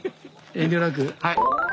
遠慮なく。